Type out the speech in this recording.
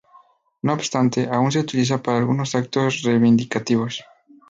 No obstante, aún se utiliza para algunos actos reivindicativos.